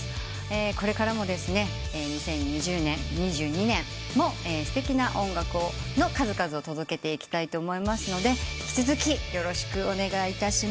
これからも２０２２年もすてきな音楽の数々を届けていきたいと思いますので引き続きよろしくお願いします。